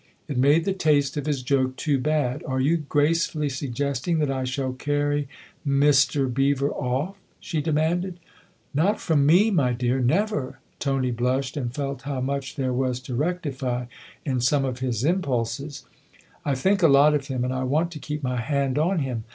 It made the taste of his joke too bad. "Are you gracefully suggesting that I shall carry Mr. Beever off?" she demanded. " Not from me, my dear never !" Tony blushed 154 THE OTHER HOUSE and felt how much there was to rectify in some of his impulses. " I think a lot of him and I want to keep my hand on him.